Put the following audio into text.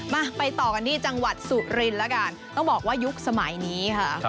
มาไปต่อกันที่จังหวัดสุรินทร์แล้วกันต้องบอกว่ายุคสมัยนี้ค่ะ